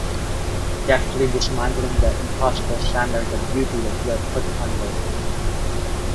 Deftly dismantling the impossible standards of beauty that we are put under.